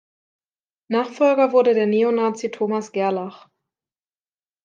Nachfolger wurde der Neonazi Thomas Gerlach.